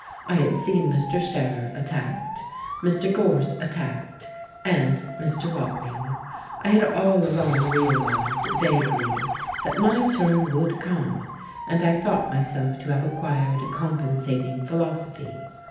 I had seen Mr. Scherer attacked, Mr. Gorse attacked, and Mr. Watling: I had all along realized, vaguely, that my turn would come, and I thought myself to have acquired a compensating philosophy.